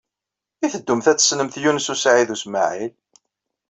I teddumt ad d-tessnemt Yunes u Saɛid u Smaɛil?